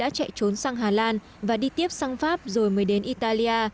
anis amri đã chạy trốn sang hà lan và đi tiếp sang pháp rồi mới đến italia